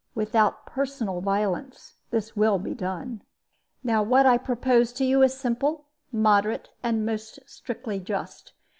Without personal violence this will be done. "Now what I propose to you is simple, moderate, and most strictly just.